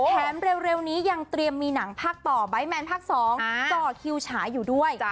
แถมเร็วนี้ยังเตรียมมีหนังภาคต่อไบท์แมนภาค๒ต่อคิวฉายอยู่ด้วย